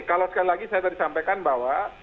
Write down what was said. kalau sekali lagi saya tadi sampaikan bahwa